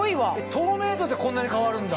透明度でこんなに変わるんだ。